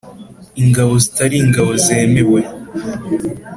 ingabo zitari ingabo zemewe